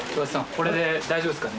これで大丈夫ですかね